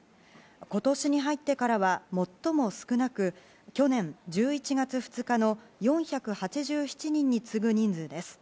今年に入ってからは最も少なく去年１１月２日の４８７人に次ぐ人数です。